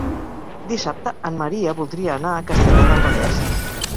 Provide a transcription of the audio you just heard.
Dissabte en Maria voldria anar a Castellar del Vallès.